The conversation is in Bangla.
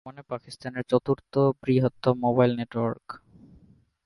এটি বর্তমানে পাকিস্তানের চতুর্থ বৃহত্তম মোবাইল নেটওয়ার্ক।